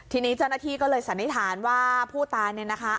ทีนี้เจ้าหน้าที่ก็เลยสันนิษฐานว่าผู้ตายเนี่ยนะคะ